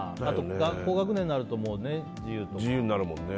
高学年になると自由とか。